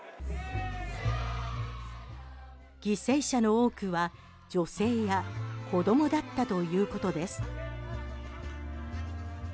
犠牲者の多くは女性や子どもだったということです。